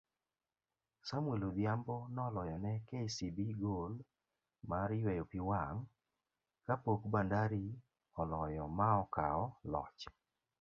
Samuel Odhiambo noloyo ne kcb gol maryweyo piwang' kapok Bandari oloyo maokao loch